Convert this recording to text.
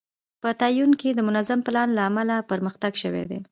په تایوان کې د منظم پلان له امله پرمختګ شوی دی.